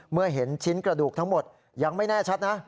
เมื่อเห็นชิ้นกระดูกทั้งหมดยังไม่แน่ชัดนะ